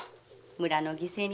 村の犠牲に？